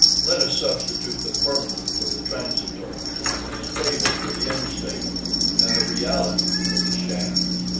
Let us substitute the permanent for the transitory, the stable for the unstable, and the reality for the sham.